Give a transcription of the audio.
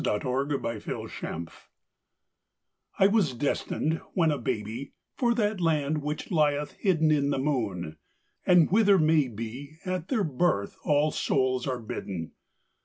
_ SONG AND STORY I was destined, when a baby, For that land which lieth hidden In the moon; and whither, may be, At their birth all souls are bidden.